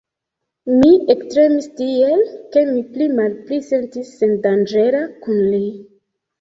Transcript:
Mi ektremis tiel, ke mi pli malpli sentis sendanĝera kun li.